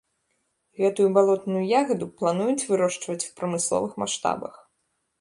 Гэтую балотную ягаду плануюць вырошчваць у прамысловых маштабах.